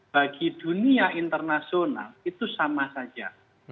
bagi dunia internasional itu sama saja